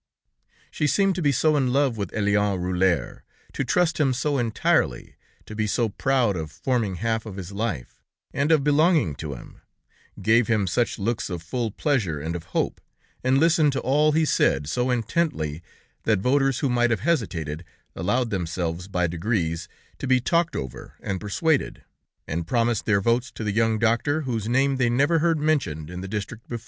She seemed to be so in love with Eliénne Rulhiére, to trust him so entirely, to be so proud of forming half of his life, and of belonging to him, gave him such looks full of pleasure and of hope, and listened to all he said so intently, that voters who might have hesitated, allowed themselves by degrees to be talked over and persuaded; and promised their votes to the young doctor, whose name they never heard mentioned in the district before.